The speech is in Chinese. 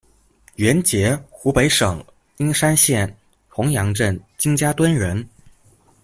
袁捷，湖北省英山县红山镇金家墩人。